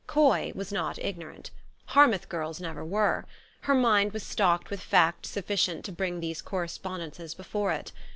Coy was not ignorant. Harmouth girls never were. Her mind was stocked with facts sufficient to bring these correspondences before it.